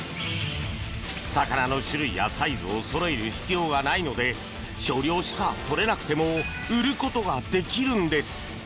魚の種類やサイズをそろえる必要がないので少量しかとれなくても売ることができるんです。